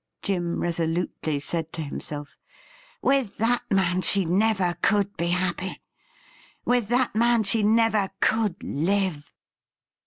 Jim resolutely said to himself; 'with that man she never could be happy; with that man she never could live